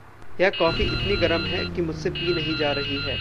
यह कॉफ़ी इतनी गरम है कि मुझसे पी नहीं जा रही है।